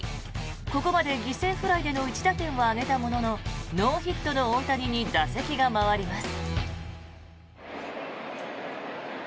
ここまで犠牲フライでの１打点は挙げたもののノーヒットの大谷に打席が回ります。